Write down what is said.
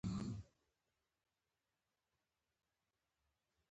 قلم له روښنايي سره تړلی دی